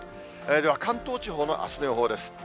では関東地方のあすの予報です。